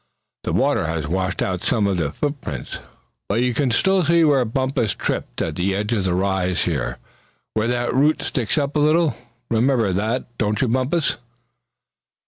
"The water has washed out some of our footprints; but you can still see where Bumpus tripped at the edge of the rise here, where that root sticks up a little. Remember that, don't you Bumpus?"